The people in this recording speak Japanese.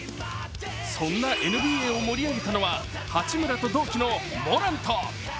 そんなＮＢＡを盛り上げたのは八村と同期のモラント。